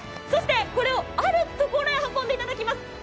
そしてこれをあるところへ運んでいただきます。